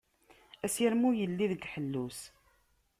Asirem ur yelli deg ḥellu-s.